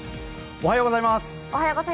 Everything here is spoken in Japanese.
おはようございます。